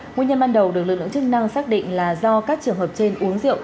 nguyên nhân ban đầu được lực lượng chức năng xác định là do các trường hợp trên uống rượu